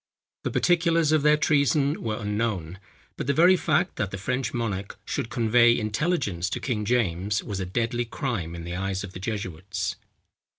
The particulars of their treason were unknown; but the very fact that the French monarch should convey intelligence to King James, was a deadly crime in the eyes of the jesuits.